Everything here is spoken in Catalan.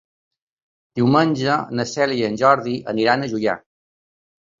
Diumenge na Cèlia i en Jordi aniran a Juià.